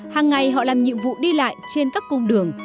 hàng ngày họ làm nhiệm vụ đi lại trên các cung đường